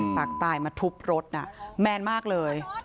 ปากตายมาทุบรถน่ะแมนมากเลย